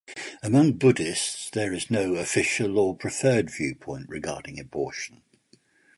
Among Buddhists, there is no official or preferred viewpoint regarding abortion.